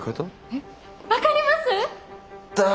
えっ分かります？っだ！